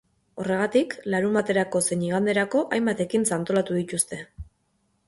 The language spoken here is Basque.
Horregatik, larunbaterako zein iganderako hainbat ekintza antolatu dituzte.